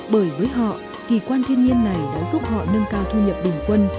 bởi với họ kỳ quan thiên nhiên này đã giúp họ nâng cao thu nhập bình quân